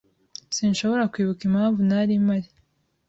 Sinshobora kwibuka impamvu nari mpari.